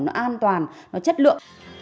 nó an toàn nó chất lượng